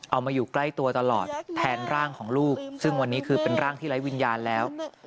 มาอยู่ใกล้ตัวตลอดแทนร่างของลูกซึ่งวันนี้คือเป็นร่างที่ไร้วิญญาณแล้ว